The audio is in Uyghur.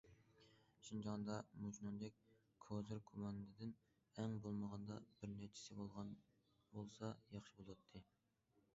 شىنجاڭدا مۇشۇنىڭدەك كوزىر كوماندىدىن ئەڭ بولمىغاندا بىر نەچچىسى بولغان بولسا ياخشى بولاتتى.